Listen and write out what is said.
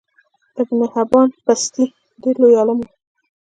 ابن حبان بستي ډیر لوی عالم وو